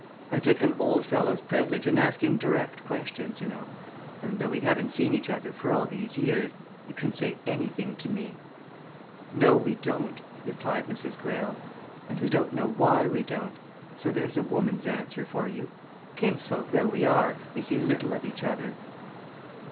"I take an old fellow's privilege in asking direct questions, you know. And though we haven't seen each other for all these years you can say anything to me." "No, we don't," replied Mrs. Greyle. "And we don't know why we don't so there's a woman's answer for you. Kinsfolk though we are, we see little of each other."